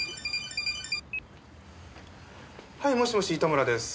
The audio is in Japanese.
はいもしもし糸村です。